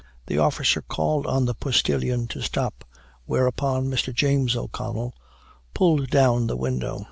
The officer called on the postilion to stop; whereupon Mr. James O'Connell pulled down the window.